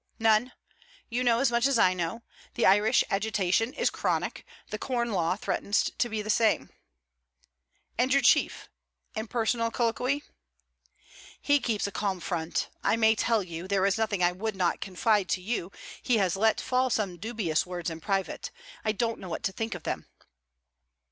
'None. You know as much as I know. The Irish agitation is chronic. The Corn law threatens to be the same.' 'And your Chief in personal colloquy?' 'He keeps a calm front. I may tell you: there is nothing I would not confide to you: he has let fall some dubious words in private. I don't know what to think of them.'